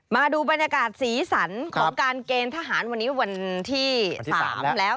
มาดูบรรยากาศสีสันของการเกณฑ์ทหารวันนี้วันที่๓แล้ว